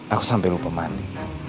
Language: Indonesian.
aku sampai lupa mandi